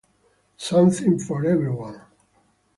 Something for everyone.